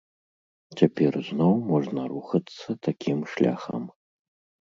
Цяпер зноў можна рухацца такім шляхам.